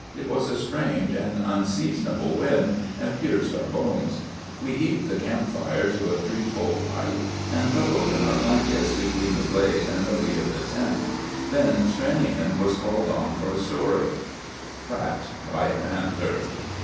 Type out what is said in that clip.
It was a strange and unseasonable wind, and pierced our bones. We heaped the camp fire to a threefold height, and huddled in our blankets between the blaze and the lee of the tent. Then Stranion was called on for a story. TRACKED BY A PANTHER.